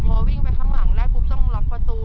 พอวิ่งไปข้างหลังได้ปุ๊บต้องล็อกประตู